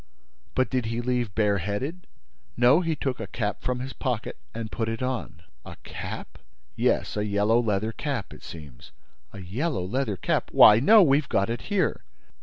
"But did he leave bare headed?" "No, he took a cap from his pocket and put it on." "A cap?" "Yes, a yellow leather cap, it seems." "A yellow leather cap? Why, no, we've got it here!"